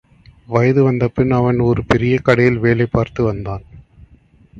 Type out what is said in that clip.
வயது வந்தபின் அவன் ஒரு பெரிய கடையில் வேலைபார்த்து வந்தான்.